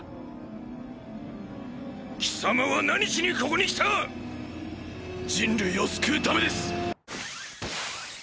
貴様は何しにここに来た⁉人類を救うためです！！